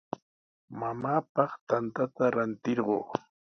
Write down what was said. Mamaapaq tantata ratirquu.